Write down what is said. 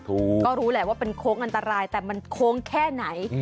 ก็รู้แหละว่าเป็นโค้งอันตรายแต่มันโค้งแค่ไหน